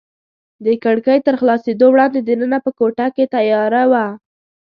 د کړکۍ تر خلاصېدو وړاندې دننه په کوټه کې تیاره وه.